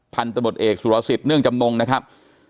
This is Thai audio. พันตนทนุษย์เอกศูรสิทธิ์เนื่องจำนงนะครับ